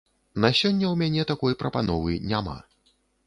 На сёння ў мяне такой прапановы няма.